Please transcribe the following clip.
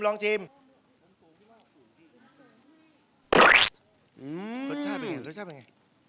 รสชาติเป็นไง